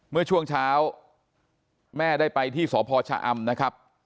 เมื่อช่วงเช้าแม่ได้ไปที่สพชะอำนะครับ